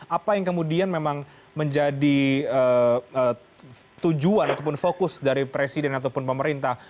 apa yang kemudian memang menjadi tujuan ataupun fokus dari presiden ataupun pemerintah